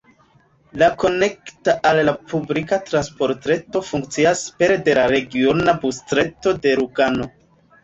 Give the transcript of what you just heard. La konekta al la publika transportreto funkcias pere de la regiona busreto de Lugano.